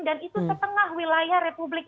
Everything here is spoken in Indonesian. dan itu setengah wilayah republik